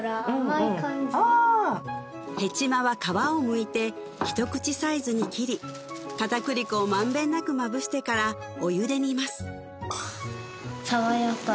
へちまは皮をむいて一口サイズに切り片栗粉を満遍なくまぶしてからお湯で煮ます